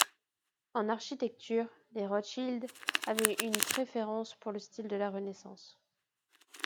En architecture, les Rothschild avaient une préférence pour le style de la Renaissance.